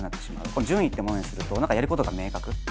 順位ってものにすると何かやることが明確。